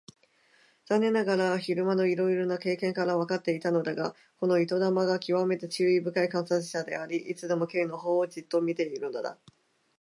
残念ながら昼間のいろいろな経験からわかっていたのだが、この糸玉がきわめて注意深い観察者であり、いつでも Ｋ のほうをじっと見ているのだ。